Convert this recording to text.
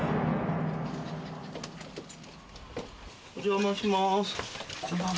お邪魔します。